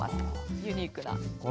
ユニークな。